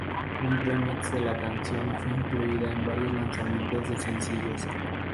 Un remix de la canción fue incluida en varios lanzamientos de sencillos.